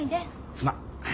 すまん。